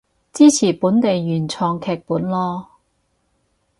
支持本地原創劇本囉